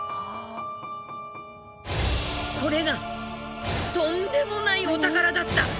これがとんでもないお宝だった！